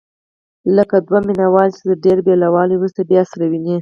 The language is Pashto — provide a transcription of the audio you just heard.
لکه دوه مینه وال چې تر ډېر بېلوالي وروسته بیا سره ویني.